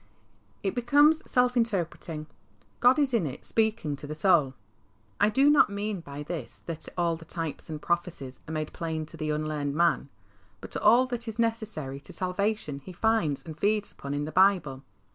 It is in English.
It becomes self interpreting. God is in it speaking to the soul. I do not mean by this that all the types and prophecies are made plain to the unlearned man, but all that is necessary to salvation he finds and feeds upon in the Bible.